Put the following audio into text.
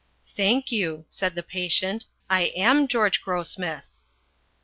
'Thank you,' said the patient, 'I am George Grossmith.'"